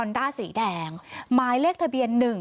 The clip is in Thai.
ด้าสีแดงหมายเลขทะเบียน๑